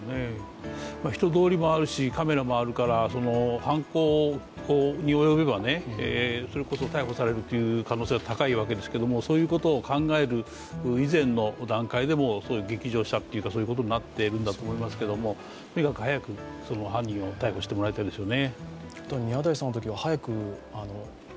人通りもあるしカメラもあるからそれこそ逮捕されるという可能性が高いわけですけどもそういうことを考える以前の段階で、激情したというか、そういうことになっていると思いますがとにかく早く犯人を逮捕してもらいたいですね。